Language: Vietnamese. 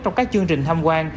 trong các chương trình tham quan